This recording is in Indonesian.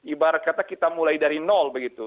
ibarat kata kita mulai dari nol begitu